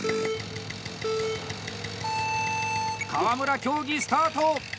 川村、競技スタート！